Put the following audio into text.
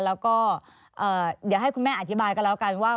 แล้วก็เดี๋ยวให้คุณแม่อธิบายกันแล้วกันว่า